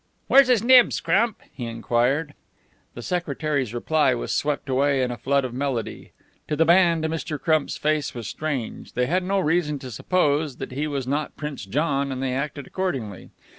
"Where's his nibs, Crump?" he enquired. The secretary's reply was swept away in a flood of melody. To the band Mr. Crump's face was strange. They had no reason to suppose that he was not Prince John, and they acted accordingly.